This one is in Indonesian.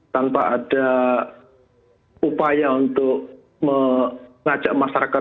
tanpa ada upaya untuk mengajak masyarakat